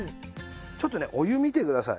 ちょっとねお湯見てください。